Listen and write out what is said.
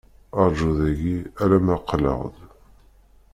Rju dayi alamma qqleɣ-d.